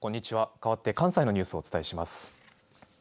かわって関西のニュースをお伝えします。